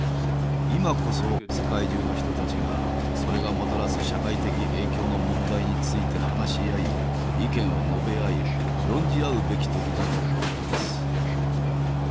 今こそ世界中の人たちがそれがもたらす社会的影響の問題について話し合い意見を述べ合い論じ合うべき時だと思います。